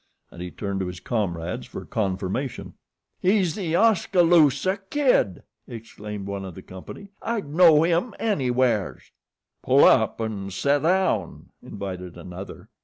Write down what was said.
and he turned to his comrades for confirmation. "He's The Oskaloosa Kid," exclaimed one of the company. "I'd know 'im anywheres." "Pull up and set down," invited another.